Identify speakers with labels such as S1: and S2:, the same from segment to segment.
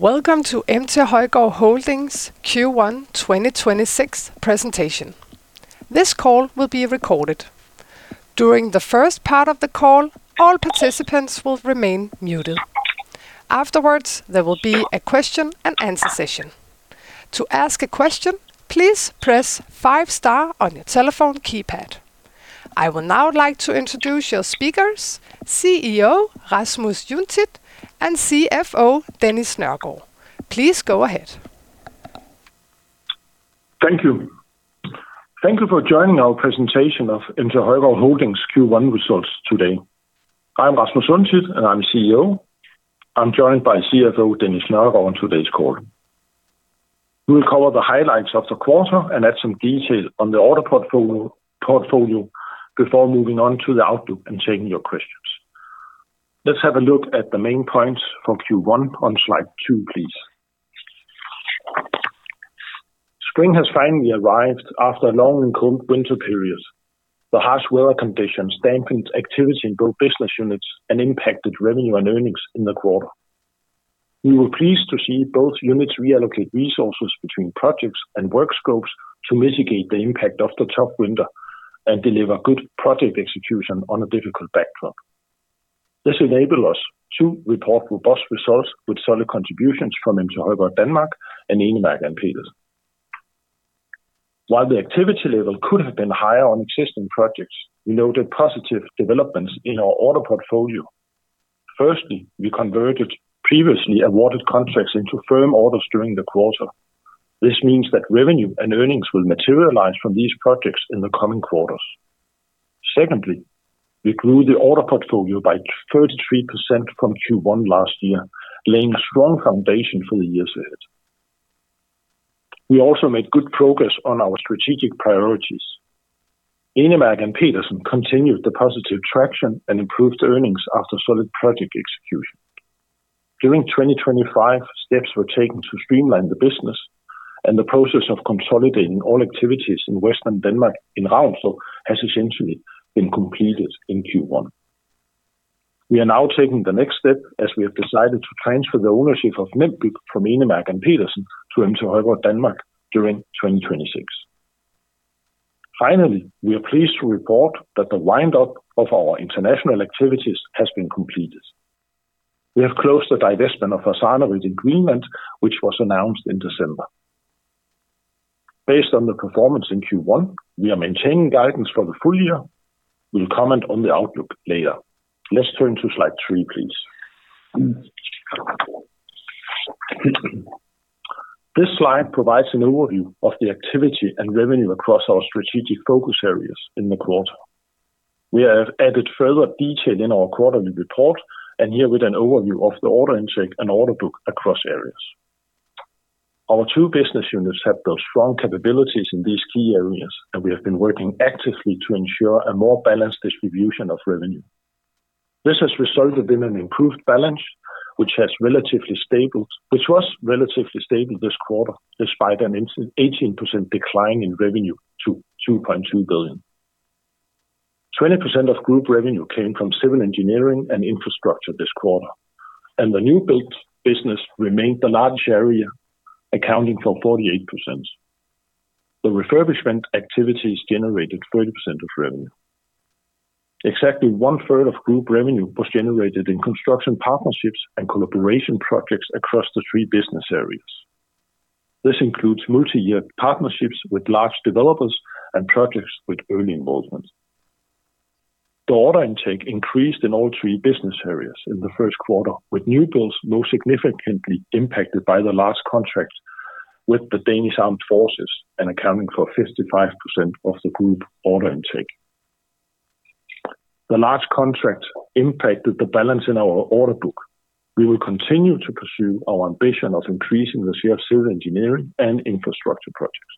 S1: Welcome to MT Højgaard Holding Q1 2026 presentation. This call will be recorded. During the first part of the call, all participants will remain muted. Afterwards, there will be a question and answer session. To ask a question, please press five star on your telephone keypad. I would now like to introduce your speakers, CEO Rasmus Untidt and CFO Dennis Nørgaard. Please go ahead.
S2: Thank you. Thank you for joining our presentation of MT Højgaard Holding's Q1 results today. I'm Rasmus Untidt, and I'm CEO. I'm joined by CFO Dennis Nørgaard on today's call. We will cover the highlights of the quarter and add some details on the order portfolio before moving on to the outlook and taking your questions. Let's have a look at the main points for Q1 on slide 2, please. Spring has finally arrived after a long and cold winter period. The harsh weather conditions dampened activity in both business units and impacted revenue and earnings in the quarter. We were pleased to see both units reallocate resources between projects and work scopes to mitigate the impact of the tough winter and deliver good project execution on a difficult backdrop. This enabled us to report robust results with solid contributions from MT Højgaard Danmark and Enemærke & Petersen. While the activity level could have been higher on existing projects, we noted positive developments in our order portfolio. Firstly, we converted previously awarded contracts into firm orders during the quarter. This means that revenue and earnings will materialize from these projects in the coming quarters. Secondly, we grew the order portfolio by 33% from Q1 last year, laying a strong foundation for the years ahead. We also made good progress on our strategic priorities. Enemærke & Petersen continued the positive traction and improved earnings after solid project execution. During 2025, steps were taken to streamline the business, and the process of consolidating all activities in Western Denmark in Haderslev has essentially been completed in Q1. We are now taking the next step as we have decided to transfer the ownership of [NemByg] from Enemærke & Petersen to MT Højgaard Danmark during 2026. Finally, we are pleased to report that the wind up of our international activities has been completed. We have closed the divestment of Arssarnerit in Greenland, which was announced in December. Based on the performance in Q1, we are maintaining guidance for the full year. We'll comment on the outlook later. Let's turn to slide 3, please. This slide provides an overview of the activity and revenue across our strategic focus areas in the quarter. We have added further detail in our quarterly report and here with an overview of the order intake and order book across areas. Our two business units have built strong capabilities in these key areas, and we have been working actively to ensure a more balanced distribution of revenue. This has resulted in an improved balance, which was relatively stable this quarter, despite an 18% decline in revenue to 2.2 billion. 20% of group revenue came from civil engineering and infrastructure this quarter, the new build business remained the large area, accounting for 48%. The refurbishment activities generated 30% of revenue. Exactly one-third of group revenue was generated in construction partnerships and collaboration projects across the three business areas. This includes multi-year partnerships with large developers and projects with early involvement. The order intake increased in all three business areas in the first quarter, with new builds most significantly impacted by the large contracts with the Danish Defence and accounting for 55% of the group order intake. The large contract impacted the balance in our order book. We will continue to pursue our ambition of increasing the share of civil engineering and infrastructure projects.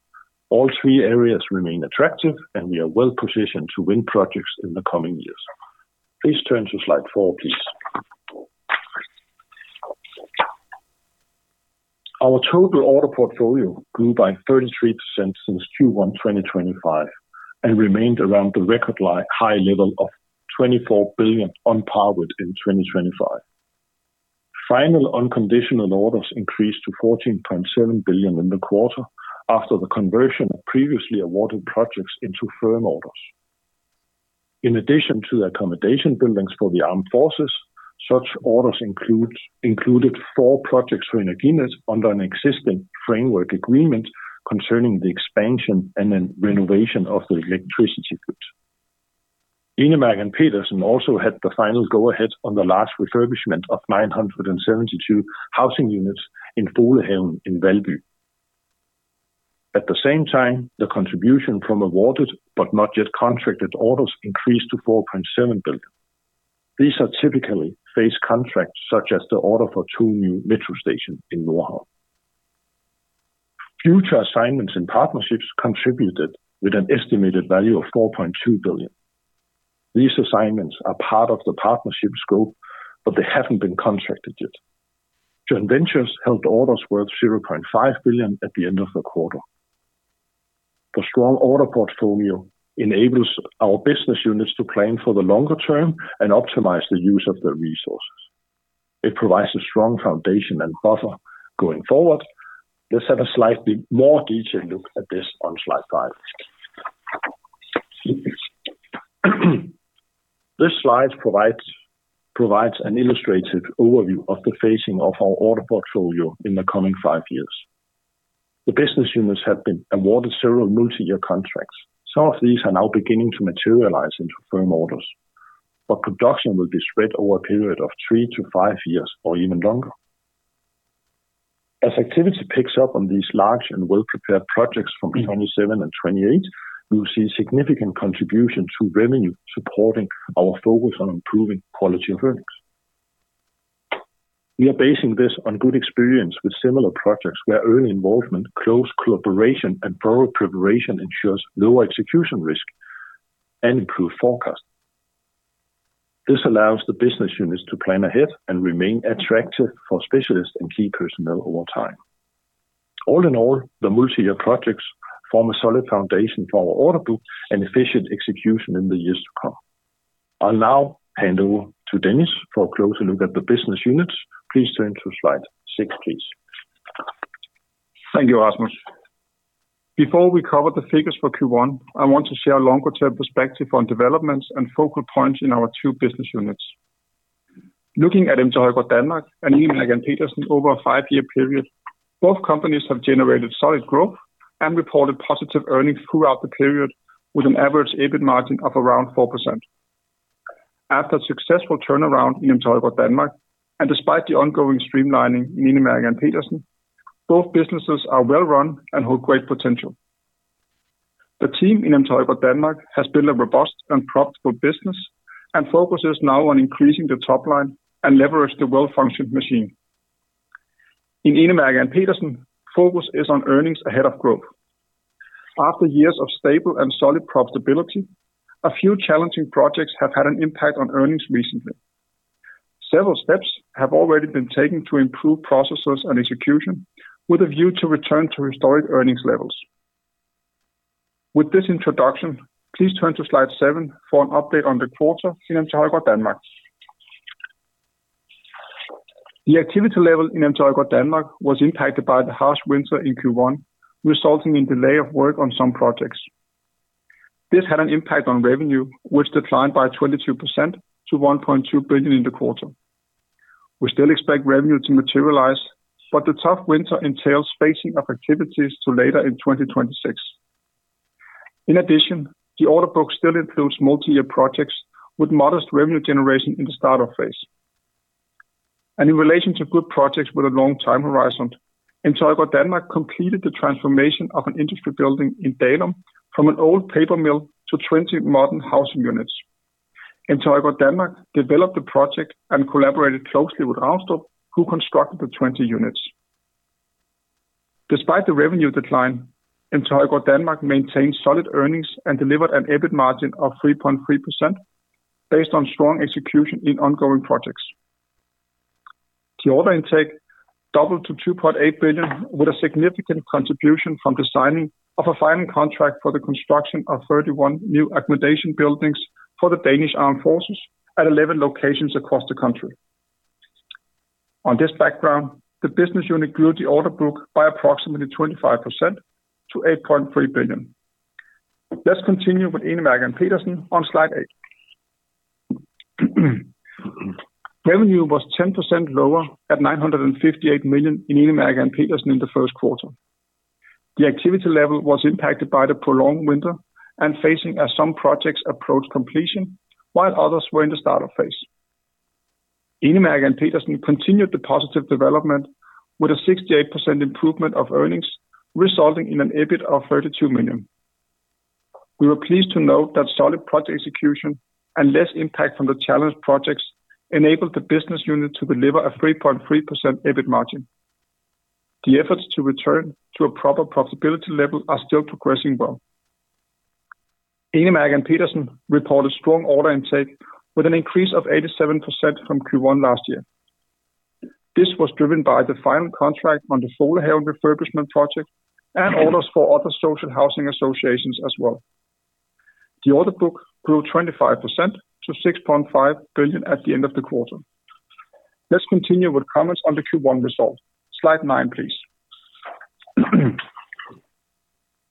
S2: All three areas remain attractive. We are well-positioned to win projects in the coming years. Please turn to slide 4, please. Our total order portfolio grew by 33% since Q1 2025 and remained around the record high level of 24 billion on par with in 2025. Final unconditional orders increased to 14.7 billion in the quarter after the conversion of previously awarded projects into firm orders. In addition to the accommodation buildings for the armed forces, such orders included four projects for Energinet under an existing framework agreement concerning the expansion and then renovation of the electricity grid. Enemærke & Petersen also had the final go-ahead on the large refurbishment of 972 housing units in Folehaven in Valby. At the same time, the contribution from awarded but not yet contracted orders increased to 4.7 billion. These are typically phased contracts, such as the order for two new metro stations in Nordhavn. Future assignments and partnerships contributed with an estimated value of 4.2 billion. These assignments are part of the partnership scope, but they haven't been contracted yet. Joint ventures held orders worth 0.5 billion at the end of the quarter. The strong order portfolio enables our business units to plan for the longer term and optimize the use of their resources. It provides a strong foundation and buffer going forward. Let's have a slightly more detailed look at this on slide 5. This slide provides an illustrated overview of the phasing of our order portfolio in the coming five years. The business units have been awarded several multi-year contracts. Some of these are now beginning to materialize into firm orders. Production will be spread over a period of three to five years or even longer. As activity picks up on these large and well-prepared projects from 2027 and 2028, we will see significant contribution to revenue supporting our focus on improving quality of earnings. We are basing this on good experience with similar projects where early involvement, close cooperation, and thorough preparation ensures lower execution risk and improved forecast. This allows the business units to plan ahead and remain attractive for specialists and key personnel over time. All in all, the multi-year projects form a solid foundation for our order book and efficient execution in the years to come. I'll now hand over to Dennis for a closer look at the business units. Please turn to slide 6, please.
S3: Thank you, Rasmus. Before we cover the figures for Q1, I want to share a longer-term perspective on developments and focal points in our two business units. Looking at MT Højgaard Danmark and Enemærke & Petersen over a five period, both companies have generated solid growth and reported positive earnings throughout the period, with an average EBIT margin of around 4%. After a successful turnaround in MT Højgaard Danmark, and despite the ongoing streamlining in Enemærke & Petersen, both businesses are well run and hold great potential. The team in MT Højgaard Danmark has built a robust and profitable business and focuses now on increasing the top line and leverage the well-functioned machine. In Enemærke & Petersen, focus is on earnings ahead of growth. After years of stable and solid profitability, a few challenging projects have had an impact on earnings recently. Several steps have already been taken to improve processes and execution with a view to return to historic earnings levels. With this introduction, please turn to slide 7 for an update on the quarter in MT Højgaard Danmark. The activity level in MT Højgaard Danmark was impacted by the harsh winter in Q1, resulting in delay of work on some projects. This had an impact on revenue, which declined by 22% to 1.2 billion in the quarter. We still expect revenue to materialize, but the tough winter entails phasing of activities to later in 2026. In addition, the order book still includes multi-year projects with modest revenue generation in the start-up phase. In relation to good projects with a long time horizon, MT Højgaard Danmark completed the transformation of an industry building in Dalum from an old paper mill to 20 modern housing units. MT Højgaard Danmark developed the project and collaborated closely with Raunstrup, who constructed the 20 units. Despite the revenue decline, MT Højgaard Danmark maintained solid earnings and delivered an EBIT margin of 3.3% based on strong execution in ongoing projects. The order intake doubled to 2.8 billion, with a significant contribution from the signing of a final contract for the construction of 31 new accommodation buildings for the Danish Defence at 11 locations across the country. On this background, the business unit grew the order book by approximately 25% to 8.3 billion. Let's continue with Enemærke & Petersen on slide 8. Revenue was 10% lower at 958 million in Enemærke & Petersen in the Q1. The activity level was impacted by the prolonged winter and phasing as some projects approached completion, while others were in the startup phase. Enemærke & Petersen continued the positive development with a 68% improvement of earnings, resulting in an EBIT of 32 million. We were pleased to note that solid project execution and less impact from the challenged projects enabled the business unit to deliver a 3.3% EBIT margin. The efforts to return to a proper profitability level are still progressing well. Enemærke & Petersen reported strong order intake with an increase of 87% from Q1 last year. This was driven by the final contract on the Folehaven refurbishment project and orders for other social housing associations as well. The order book grew 25% to 6.5 billion at the end of the quarter. Let's continue with comments on the Q1 result. Slide nine, please.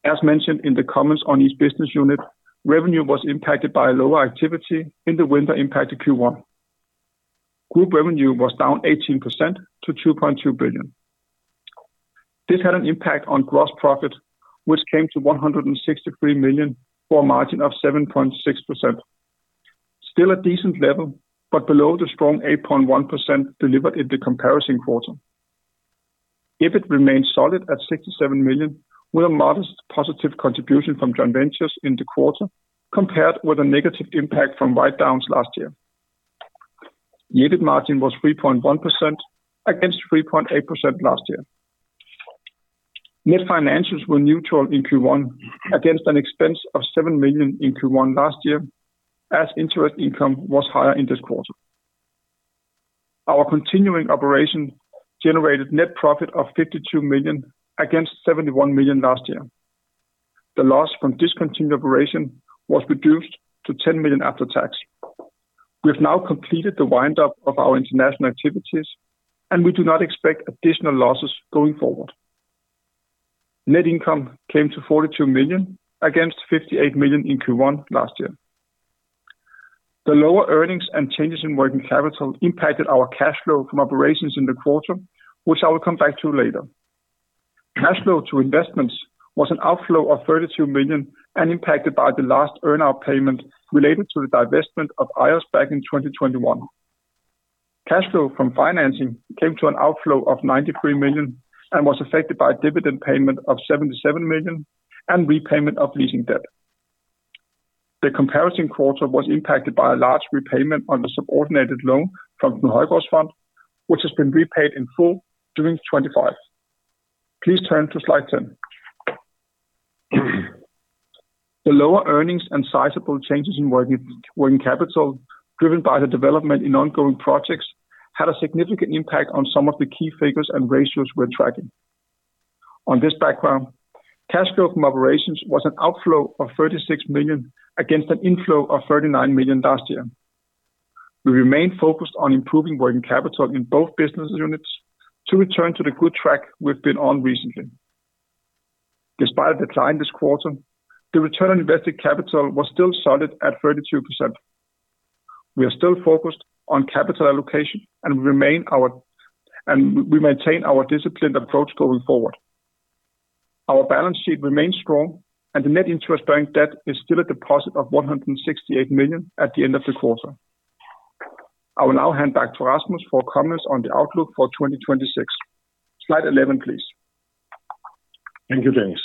S3: As mentioned in the comments on each business unit, revenue was impacted by lower activity in the winter impacted Q1. Group revenue was down 18% to 2.2 billion. This had an impact on gross profit, which came to 163 million for a margin of 7.6%. Still a decent level, but below the strong 8.1% delivered in the comparison quarter. EBIT remained solid at 67 million, with a modest positive contribution from joint ventures in the quarter, compared with a negative impact from write-downs last year. The EBIT margin was 3.1% against 3.8% last year. Net financials were neutral in Q1 against an expense of 7 million in Q1 last year, as interest income was higher in this quarter. Our continuing operation generated net profit of 52 million against 71 million last year. The loss from discontinued operation was reduced to 10 million after tax. We have now completed the wind up of our international activities, and we do not expect additional losses going forward. Net income came to 42 million against 58 million in Q1 last year. The lower earnings and changes in working capital impacted our cash flow from operations in the quarter, which I will come back to later. Cash flow to investments was an outflow of 32 million and impacted by the last earnout payment related to the divestment of Ajos back in 2021. Cash flow from financing came to an outflow of 93 million and was affected by dividend payment of 77 million and repayment of leasing debt. The comparison quarter was impacted by a large repayment on the subordinated loan from the Knud Højgaards Fond, which has been repaid in full during 2025. Please turn to slide 10. The lower earnings and sizable changes in working capital driven by the development in ongoing projects had a significant impact on some of the key figures and ratios we're tracking. On this background, cash flow from operations was an outflow of 36 million against an inflow of 39 million last year. We remain focused on improving working capital in both business units to return to the good track we've been on recently. Despite a decline this quarter, the return on invested capital was still solid at 32%. We are still focused on capital allocation and we maintain our disciplined approach going forward. Our balance sheet remains strong, and the net interest bearing debt is still a deposit of 168 million at the end of the quarter. I will now hand back to Rasmus Untidt for comments on the outlook for 2026. Slide 11, please.
S2: Thank you, Dennis.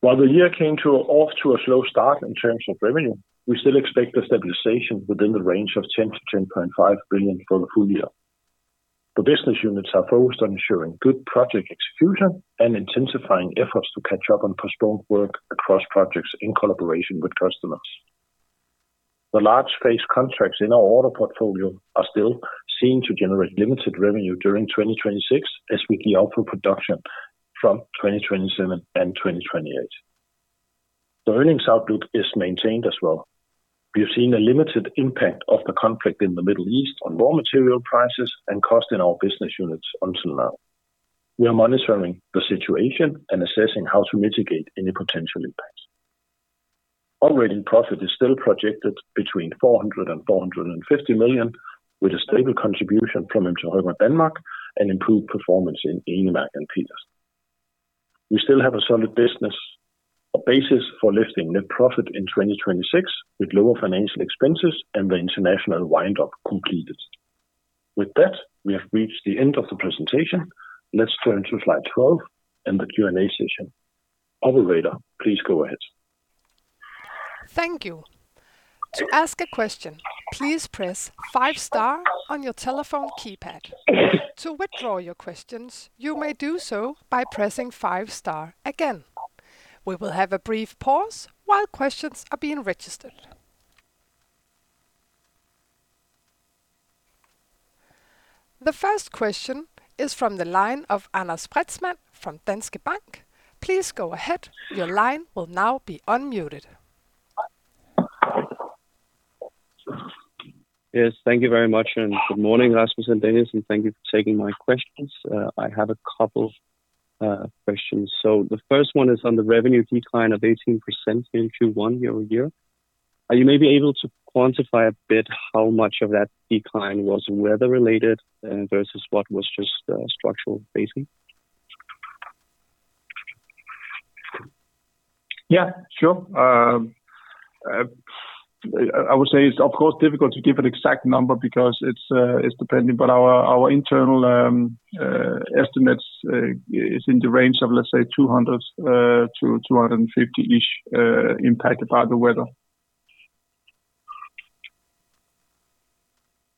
S2: While the year came off to a slow start in terms of revenue, we still expect a stabilization within the range of 10 billion-10.5 billion for the full year. The business units are focused on ensuring good project execution and intensifying efforts to catch up on postponed work across projects in collaboration with customers. The large phase contracts in our order portfolio are still seen to generate limited revenue during 2026 as we gear up for production from 2027 and 2028. The earnings outlook is maintained as well. We have seen a limited impact of the conflict in the Middle East on raw material prices and cost in our business units until now. We are monitoring the situation and assessing how to mitigate any potential impacts. Operating profit is still projected between 400 million-450 million, with a stable contribution from Højgaard Danmark and improved performance in Enemærke & Petersen. We still have a solid business, a basis for lifting net profit in 2026 with lower financial expenses and the international wind up completed. With that, we have reached the end of the presentation. Let's turn to slide 12 and the Q&A session. Operator, please go ahead.
S1: Thank you. The first question is from the line of Anders Preetzmann from Danske Bank. Please go ahead.
S4: Yes, thank you very much, and good morning, Rasmus and Dennis, and thank you for taking my questions. I have a couple questions. The first one is on the revenue decline of 18% in Q1 year-over-year. Are you may be able to quantify a bit how much of that decline was weather-related versus what was just structural basing?
S3: Yeah, sure. I would say it's of course difficult to give an exact number because it's depending, but our internal estimates is in the range of, let's say, 200-250-ish, impacted by the weather.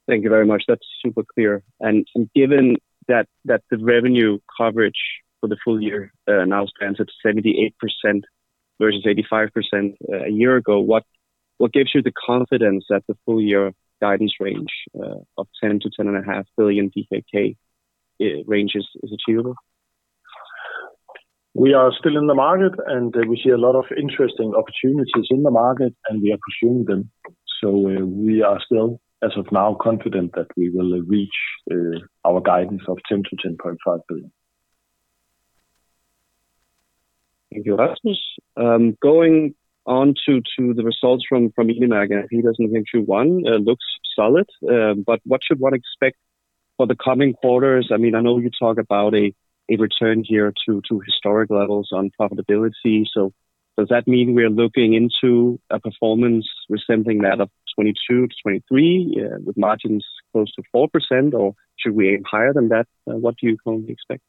S4: Thank you very much. That's super clear. Given that the revenue coverage for the full year now stands at 78% versus 85% a year ago, what gives you the confidence that the full year guidance range of 10 billion-10.5 billion DKK range is achievable?
S2: We are still in the market, and we see a lot of interesting opportunities in the market, and we are pursuing them. We are still, as of now, confident that we will reach our guidance of 10 billion-10.5 billion.
S4: Thank you, Rasmus. Going on to the results from Enemærke & Petersen in Q1, looks solid. What should one expect for the coming quarters? I mean, I know you talk about a return here to historic levels on profitability. Does that mean we are looking into a performance resembling that of 2022-2023, with margins close to 4%, or should we aim higher than that? What do you currently expect?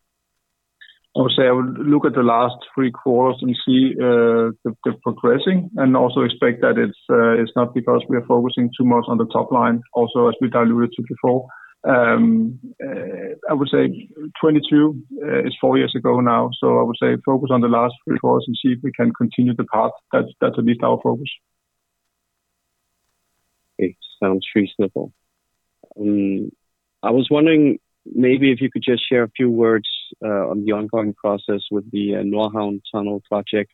S3: I would say I would look at the last 3 quarters and see the progressing, and also expect that it's not because we are focusing too much on the top line also, as we alluded to before. I would say 2022 is four years ago now, so I would say focus on the last 3 quarters and see if we can continue the path. That's at least our focus.
S4: It sounds reasonable. I was wondering maybe if you could just share a few words on the ongoing process with the Nordhavn Tunnel project.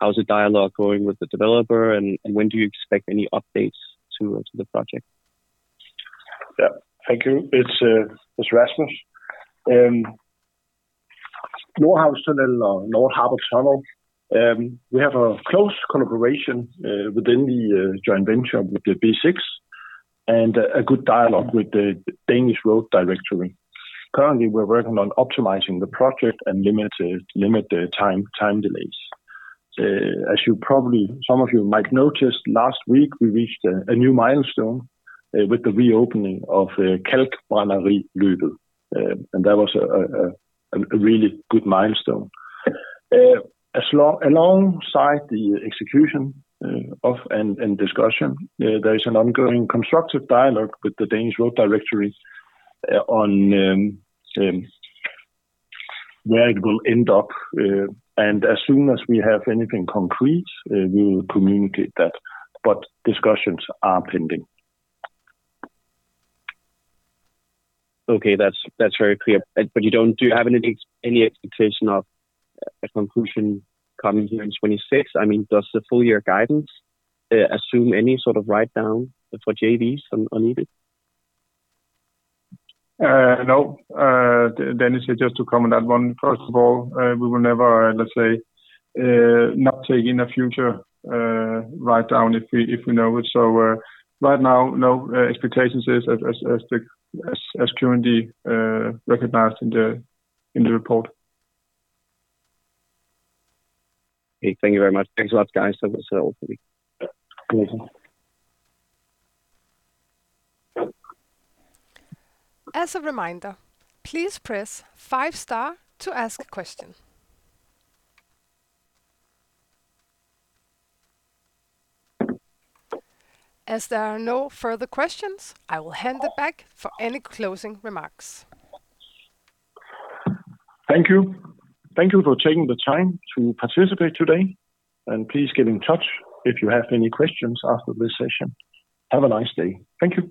S4: How's the dialogue going with the developer and when do you expect any updates to the project?
S2: Yeah. Thank you. It's Rasmus. Nordhavn Tunnel or North Harbor Tunnel, we have a close collaboration within the joint venture with Besix and a good dialogue with the Danish Road Directorate. Currently, we're working on optimizing the project and limit the time delays. As some of you might noticed last week we reached a new milestone with the reopening of the Kalkbrænderiløbet. That was a really good milestone. Alongside the execution of and discussion, there is an ongoing constructive dialogue with the Danish Road Directorate on where it will end up. As soon as we have anything concrete, we will communicate that. Discussions are pending.
S4: Okay. That's very clear. Do you have any expectation of a conclusion coming here in 2026? I mean, does the full year guidance assume any sort of write-down for JVs on EBIT?
S3: No. Dennis here just to comment on that one. First of all, we will never, let's say, not take in the future, write-down if we know it. Right now, no expectations as currently recognized in the report.
S4: Okay. Thank you very much. Thanks a lot, guys. Have a safe week.
S2: Yeah.
S1: As a reminder, please press five star to ask a question. As there are no further questions, I will hand it back for any closing remarks.
S2: Thank you. Thank you for taking the time to participate today, and please get in touch if you have any questions after this session. Have a nice day. Thank you.